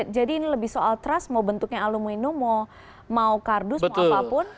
jadi ini lebih soal trust mau bentuknya alumino mau kardus mau apapun